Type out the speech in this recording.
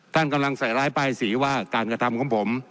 ท่านกำลังใส่ร้ายป้ายสีว่าการกระทำของผม